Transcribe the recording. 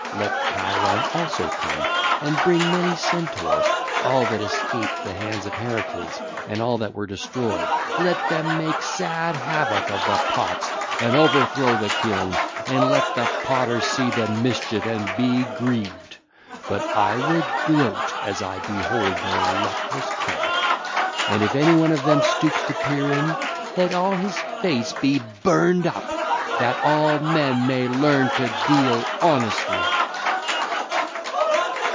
Let Chiron also come and bring many Centaurs—all that escaped the hands of Heracles and all that were destroyed: let them make sad havoc of the pots and overthrow the kiln, and let the potters see the mischief and be grieved; but I will gloat as I behold their luckless craft. And if anyone of them stoops to peer in, let all his face be burned up, that all men may learn to deal honestly.